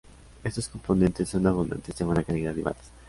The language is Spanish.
Estos componentes son abundantes, de buena calidad y baratos.